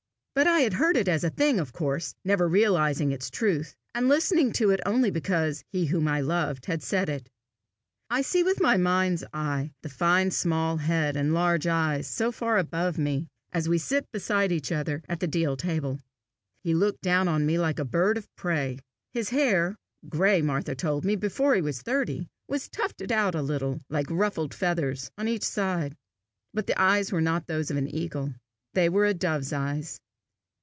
But I had heard it as a thing of course, never realizing its truth, and listening to it only because he whom I loved said it. I see with my mind's eye the fine small head and large eyes so far above me, as we sit beside each other at the deal table. He looked down on me like a bird of prey. His hair gray, Martha told me, before he was thirty was tufted out a little, like ruffled feathers, on each side. But the eyes were not those of an eagle; they were a dove's eyes.